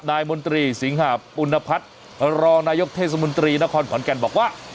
นายมนตรีสิงหาปุณพัฒน์รนเทศมนตรีนครขอนแก่นบอกว่า